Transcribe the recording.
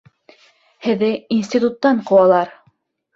Һеҙҙе институттан ҡыуалар!